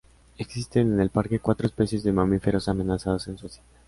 Existen en el parque cuatro especies de mamíferos amenazados en Suecia.